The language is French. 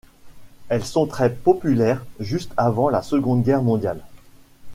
Elles sont très populaires juste avant la Seconde Guerre mondiale.